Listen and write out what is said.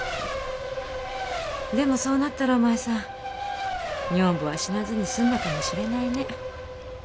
でもそうなったらお前さん女房は死なずにすんだかもしれないね。